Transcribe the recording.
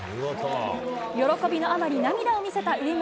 喜びのあまり涙を見せた上村。